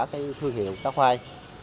cái thương hiệu cá khoai